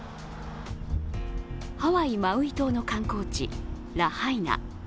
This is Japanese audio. ハワイ・マウイ島の観光地ラハイナ。